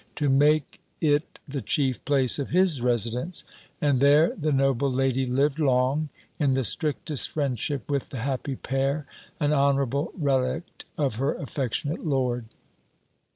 to make it the chief place of his residence; and there the noble lady lived long (in the strictest friendship with the happy pair) an honourable relict of her affectionate lord.